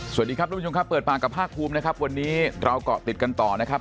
สวัสดีครับทุกผู้ชมครับเปิดปากกับภาคภูมินะครับวันนี้เราเกาะติดกันต่อนะครับ